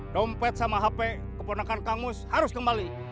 dompet sama hp keponakan kamus harus kembali